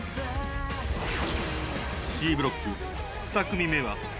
Ｃブロック２組目は。